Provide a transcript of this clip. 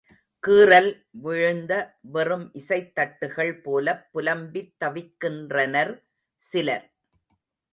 கீறல் விழுந்த வெறும் இசைத் தட்டுகள் போலப் புலம்பித் தவிக்கின்றனர் சிலர்.